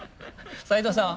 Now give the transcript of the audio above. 斎藤さん。